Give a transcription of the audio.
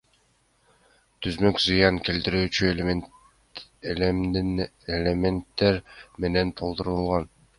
Түзмөк зыян келтирүүчү элементтер менен толтурулган.